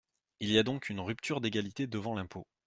Il y a donc une rupture d’égalité devant l’impôt.